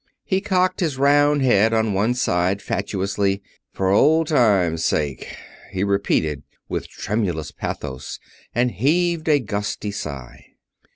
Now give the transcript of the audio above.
He cocked his round head on one side fatuously. "For old times' sake," he repeated, with tremulous pathos, and heaved a gusty sigh.